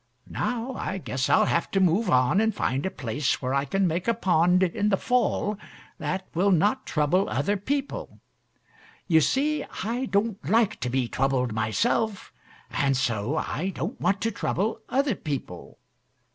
Now, I guess I'll have to move on and find a place where I can make a pond in the fall that will not trouble other people. You see, I don't like to be troubled myself, and so I don't want to trouble other people.